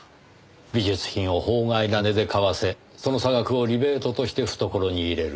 美術品を法外な値で買わせその差額をリベートとして懐に入れる。